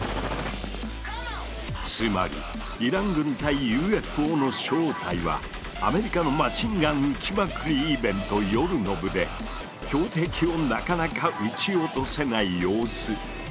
つまり「イラン軍対ＵＦＯ」の正体はアメリカのマシンガン撃ちまくりイベント夜の部で標的をなかなか撃ち落とせない様子だったのだ。